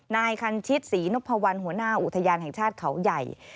นายคันชิตศรีนพวัลหัวหน้าอุทยานแห่งชาติเขาใหญ่